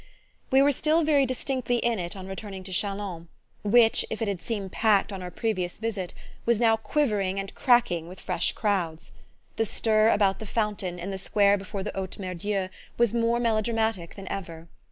We were still very distinctly in it on returning to Chalons, which, if it had seemed packed on our previous visit, was now quivering and cracking with fresh crowds. The stir about the fountain, in the square before the Haute Mere Dieu, was more melodramatic than ever.